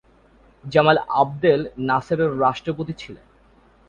Jamal Abdel Nasser এর রাষ্ট্রপতি ছিলেন।